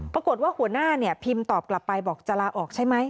ปรากฏว่าหัวหน้าเนี่ยพิมพ์ตอบกลับไปบอกจะลาออกใช่ไหม